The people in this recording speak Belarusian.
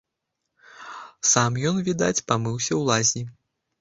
Сам ён, відаць, памыўся ў лазні.